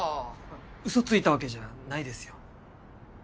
ウソついたわけじゃないですよ。